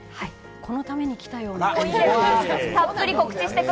このために来たよな。